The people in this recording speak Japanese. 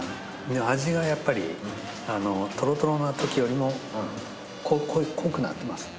味がやっぱりトロトロなときよりも濃くなってますね。